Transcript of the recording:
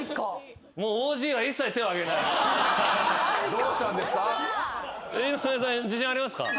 どうしたんですか？